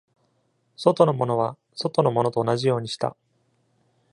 外の者は外の者と同じようにした。